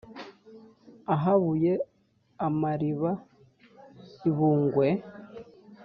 ahabuye amariba i bungwe,